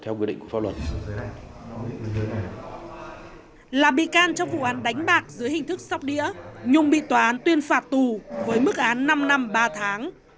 là bị can trong vụ án đánh bạc dưới hình thức sóc đĩa nhung bị tòa án tuyên phạt tù với mức án năm năm ba tháng